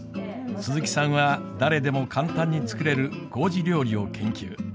鈴木さんは誰でも簡単に作れる麹料理を研究。